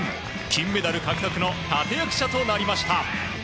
金メダル獲得の立役者となりました。